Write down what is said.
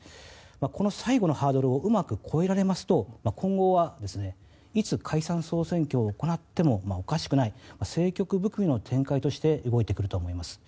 この最後のハードルをうまく越えられますと今後は、いつ解散・総選挙を行ってもおかしくない政局含みの展開として動いてくると思います。